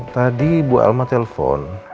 tadi bu alma telepon